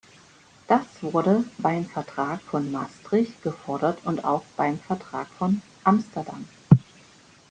Das wurde beim Vertrag von Maastricht gefordert und auch beim Vertrag von Amsterdam.